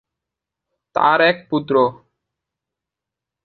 তার এক পুত্র।